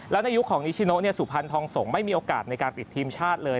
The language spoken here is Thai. และในยุคของนิชิโนสุพรรณทองสงฆ์ไม่มีโอกาสในการติดทีมชาติเลย